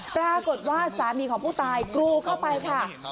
ปรากฏว่าสามีของผู้ตายกรูเข้าไปค่ะ